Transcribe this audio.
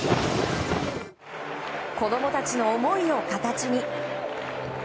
子供たちの思いを形に。